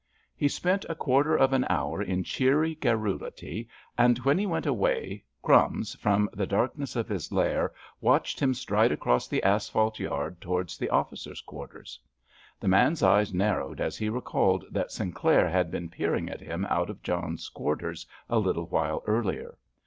He spent a quarter of an hour in cheery garrulity, and when he went away, "Crumbs," from the darkness of his lair, watched him stride across the asphalt yard towards the officers' quarters. The man's eyes narrowed as he recalled that Sinclair had been peering at him out of John's quarters a little while earlier.